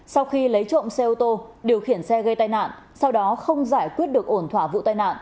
sau khi lấy trộm xe ô tô điều khiển xe gây tai nạn sau đó không giải quyết được ổn thỏa vụ tai nạn